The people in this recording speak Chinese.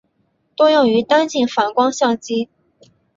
多用于单镜反光相机。